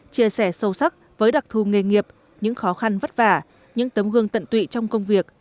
chia sẻ sâu sắc với đặc thù nghề nghiệp những khó khăn vất vả những tấm gương tận tụy trong công việc